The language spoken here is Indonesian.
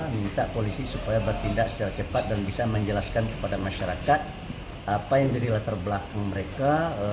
minta polisi supaya bertindak secara cepat dan bisa menjelaskan kepada masyarakat apa yang jadi latar belakang mereka